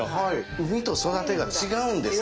生みと育てが違うんですね。